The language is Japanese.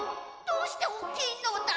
どうしておっきいのだ？